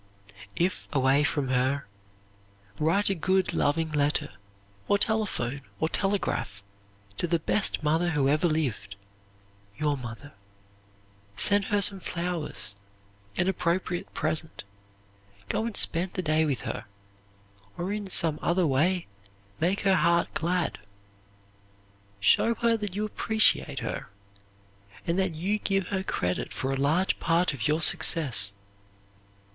If away from her, write a good, loving letter, or telephone or telegraph to the best mother who ever lived your mother. Send her some flowers, an appropriate present; go and spend the day with her, or in some other way make her heart glad. Show her that you appreciate her, and that you give her credit for a large part of your success.